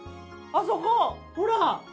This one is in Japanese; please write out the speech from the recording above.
あそこ、ほら！